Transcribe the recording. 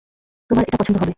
তোমার এটা পছন্দ হবে।